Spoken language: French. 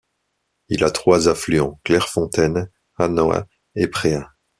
Il a trois affluents: Claire-Fontaine, Hannoy et Préa.